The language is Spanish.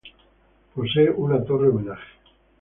Posee una torre homenaje.